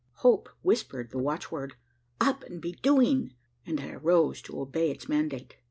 Hope whispered the watchword, "Up and be doing!" and I arose to obey its mandate.